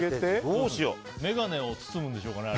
眼鏡を包むんでしょうかね。